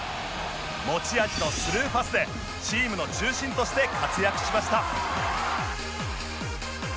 持ち味のスルーパスでチームの中心として活躍しました